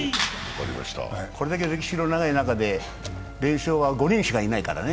これだけ歴史の長い中で連勝は５人しかいないからね。